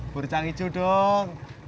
burr cangkicu dong